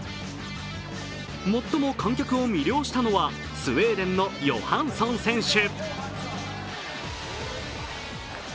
最も観客を魅了したのはスウェーデンのヨハンソン選手。